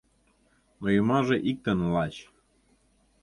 Но ӱмаже иктын лач